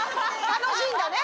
楽しいんだね。